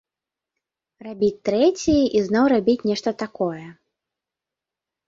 Рабіць трэці і зноў рабіць нешта такое.